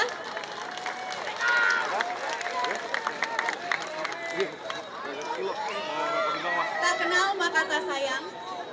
kita kenal maka tak sayang